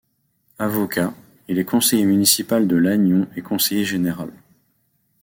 Avocat, il est conseiller municipal de Lannion et conseiller général.